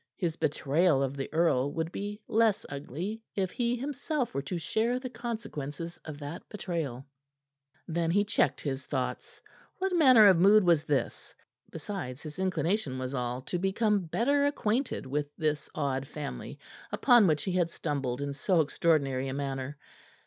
His betrayal of the earl would be less ugly if he, himself, were to share the consequences of that betrayal. Then he checked his thoughts. What manner of mood was this? Besides, his inclination was all to become better acquainted with this odd family upon which he had stumbled in so extraordinary a manner.